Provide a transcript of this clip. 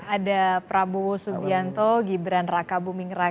ada prabowo subianto gimbran rakabumingra